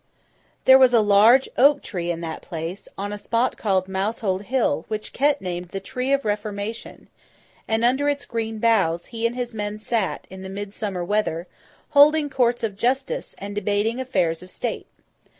There was a large oak tree in that place, on a spot called Moushold Hill, which Ket named the Tree of Reformation; and under its green boughs, he and his men sat, in the midsummer weather, holding courts of justice, and debating affairs of state.